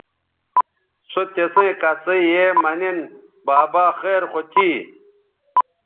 سو تسیئں کسئ یے مہ نِن بابا خیر خو تھی